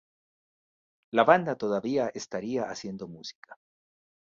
La banda todavía estaría haciendo música.